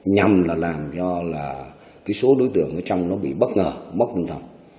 nhằm là làm cho là cái số đối tượng ở trong nó bị bất ngờ mất tinh thần